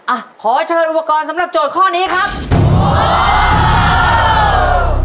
อ่ะขอเชิญอุปกรณ์สำหรับโจทย์ข้อนี้ครับ